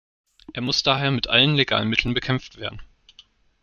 Er muss daher mit allen legalen Mitteln bekämpft werden.